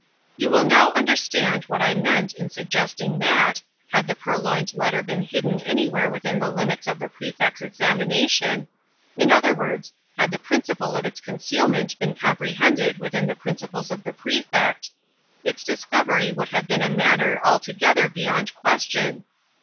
You will now understand what I meant in suggesting that, had the purloined letter been hidden any where within the limits of the Prefect's examination—in other words, had the principle of its concealment been comprehended within the principles of the Prefect—its discovery would have been a matter altogether beyond question.